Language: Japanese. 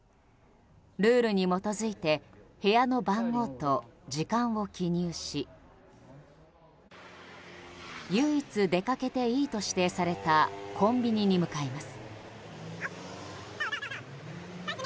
ルールに基づいて部屋の番号と時間を記入し唯一出かけていいと指定されたコンビニに向かいます。